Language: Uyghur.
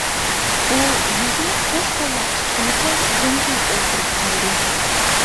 ئۇ يۈزىنى قوش قوللاپ تۇتقىنىچە زوڭزىيىپ ئولتۇرۇپ قالدى.